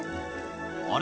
あれ？